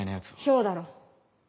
漂だろ。